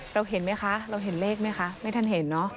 เราเห็นไหมคะเราเห็นเลขไหมคะไม่ทันเห็นเนอะ